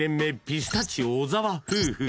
ピスタチオ小澤夫婦